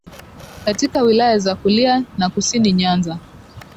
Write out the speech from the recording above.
katika Wilaya za Kulia na kusini Nyanza